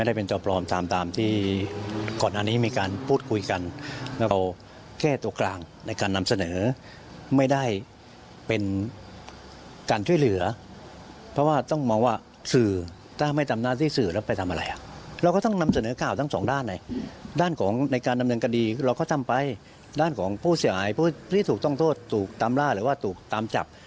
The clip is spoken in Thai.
ด้านของในการนำเนินกดีเราก็ทำไปด้านของผู้เสียอายผู้ที่ถูกต้องโทษถูกตามร่าหรือว่าถูกตามจับ